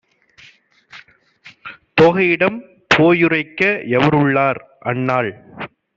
தோகையிடம் போயுரைக்க எவருள்ளார்? அன்னாள்